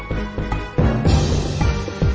กินโทษส่องแล้วอย่างนี้ก็ได้